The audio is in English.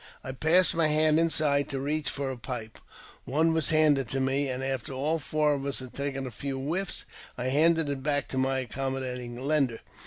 I passed my hand inside to reach for a pipe. One was handed,^ to me ; and after all four of us had taken a few whiffs, dl handed it back to my accommodating lender.